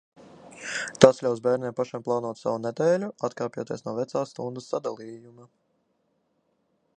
Tas ļaus bērniem pašiem plānot savu nedēļu, atkāpjoties no vecā stundu sadalījuma.